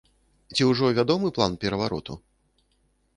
Ці ўжо вядомы план перавароту?